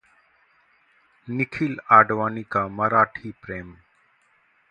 निखिल आडवाणी का मराठी प्रेम